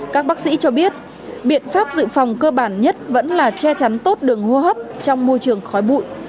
các dự phòng cơ bản nhất vẫn là che chắn tốt đường hô hấp trong môi trường khói bụi